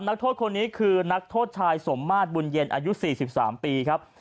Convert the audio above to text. นักโทษคนนี้คือนักโทษชายสมมาตรบุญเย็นอายุ๔๓ปีครับ